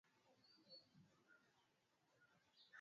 ya Uarabuni Mwanawe AbdulAziz bin Muhammad alimfuata